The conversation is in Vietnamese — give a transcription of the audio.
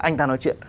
anh ta nói chuyện